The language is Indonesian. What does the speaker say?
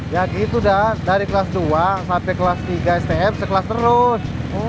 ya gitu dah dari kelas dua sampai kelas tiga stm sekelas terus